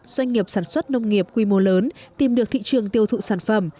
doanh nghiệp sản xuất nông nghiệp quy mô lớn tìm được thị trường tiêu thụ sản phẩm